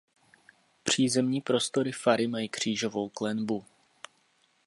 Přízemní prostory fary mají křížovou klenbu.